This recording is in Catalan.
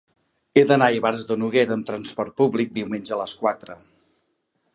He d'anar a Ivars de Noguera amb trasport públic diumenge a les quatre.